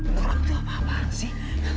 luar biasa tuh apa apaan sih